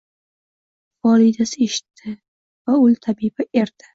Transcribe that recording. Volidasi eshitti va ul tabiba erdi